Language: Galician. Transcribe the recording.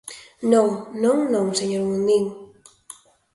Non, non, non, señor Mundín.